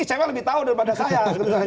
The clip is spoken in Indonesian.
ini saya lebih tahu daripada saya